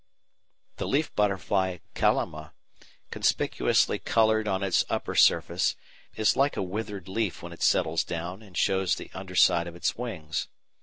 The leaf butterfly Kallima, conspicuously coloured on its upper surface, is like a withered leaf when it settles down and shows the under side of its wings.